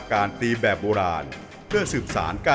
เหมือนเล็บแบบงองเหมือนเล็บตลอดเวลา